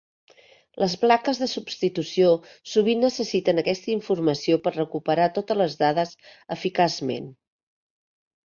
Les plaques de substitució sovint necessiten aquesta informació per recuperar totes les dades eficaçment.